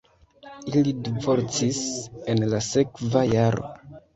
Ili divorcis en la sekva jaro.